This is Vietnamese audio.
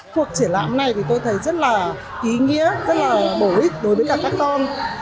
cuộc triển lãm này tôi thấy rất là ý nghĩa rất là bổ ích đối với các con